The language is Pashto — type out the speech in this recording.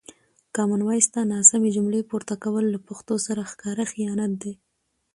کامن وایس ته ناسمې جملې پورته کول له پښتو سره ښکاره خیانت دی.